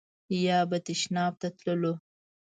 یا به تشناب ته تللو.